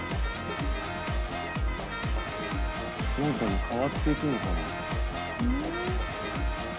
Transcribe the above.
なんかに変わっていくのかな？